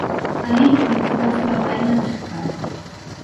Alí comezou a súa andaina musical.